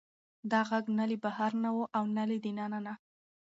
دا غږ نه له بهر نه و او نه له دننه نه.